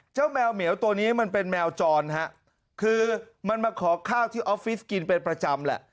แมวเหมียวตัวนี้มันเป็นแมวจรฮะคือมันมาขอข้าวที่ออฟฟิศกินเป็นประจำแหละ